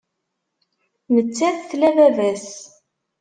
Nettat tla baba-s.